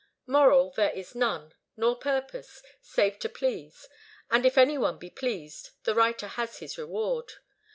Moral, there is none, nor purpose, save to please; and if any one be pleased, the writer has his reward.